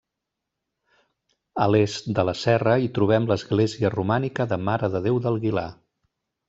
A l'est de la serra hi trobem l'església romànica de Mare de Déu del Guilar.